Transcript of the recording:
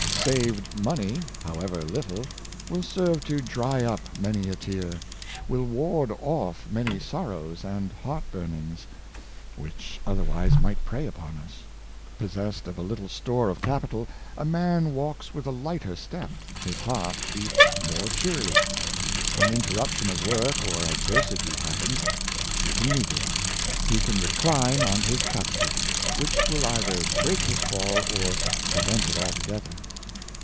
Saved money, however little, will serve to dry up many a tear — will ward off many sor rows and heart burnings, which otherwise might prey upon us. Possessed of a little store of capital, a man walks with a lighter step, his heart beats more cheerily. When interruption of work or adversity happens, he can meet it; he can recline on his capital, which will either break his fall or prevent it altogether.